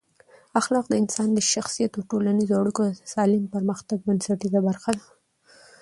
اخلاق د انسان د شخصیت او ټولنیزو اړیکو د سالم پرمختګ بنسټیزه برخه ده.